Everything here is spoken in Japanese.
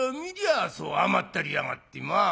あそう甘ったれやがってまあ。